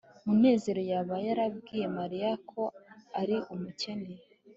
munezero yaba yarabwiye mariya ko ari umukene